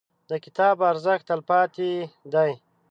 • د کتاب ارزښت، تلپاتې دی.